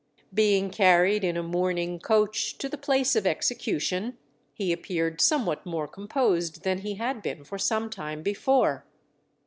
Being carried in a mourning coach to the place of execution, he appeared somewhat more composed than he had been for some time before.